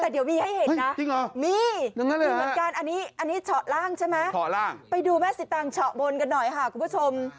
แต่เดี๋ยวมีให้เห็นนะมีเหมือนกันอันนี้เฉาะล่างใช่ไหมไปดูแม่สิตางเฉาะบนกันหน่อยค่ะคุณผู้ชม